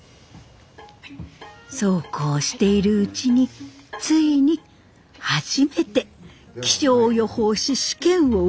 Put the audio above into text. そうこうしているうちについに初めて気象予報士試験を受ける日がやって来ました。